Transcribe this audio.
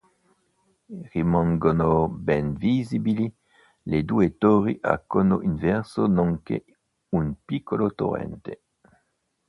Rimangono ben visibili le due torri a cono inverso nonché un piccolo torrente.